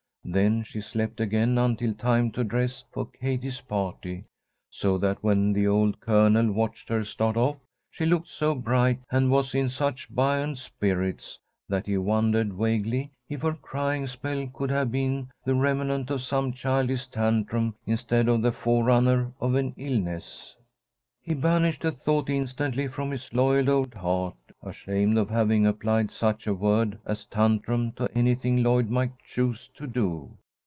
Then she slept again until time to dress for Katie's party, so that when the old Colonel watched her start off, she looked so bright and was in such buoyant spirits that he wondered vaguely if her crying spell could have been the remnant of some childish tantrum instead of the forerunner of an illness. He banished the thought instantly from his loyal old heart, ashamed of having applied such a word as tantrum to anything Lloyd might choose to do.